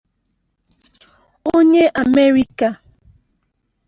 onye Amerịka